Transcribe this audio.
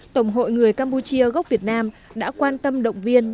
tổng hội người campuchia gốc việt nam đã quan tâm động viên